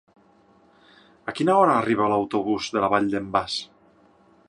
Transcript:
A quina hora arriba l'autobús de la Vall d'en Bas?